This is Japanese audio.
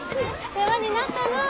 世話になったのう。